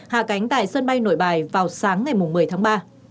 hạ cánh tại sân bay nội bài vào sáng ngày một mươi tháng ba